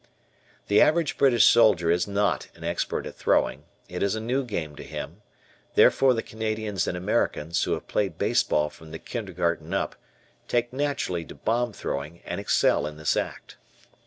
The average British soldier is not an expert at throwing; it is a new game to him, therefore the Canadians and Americans, who have played baseball from the kindergarten up, take naturally to bomb throwing and excel in this act.